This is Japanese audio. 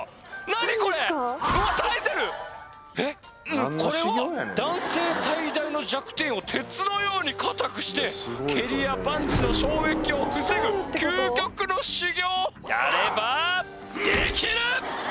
何これうわっ耐えてるえっこれは男性最大の弱点を鉄のように硬くして蹴りやパンチの衝撃を防ぐ究極の修行やればできる！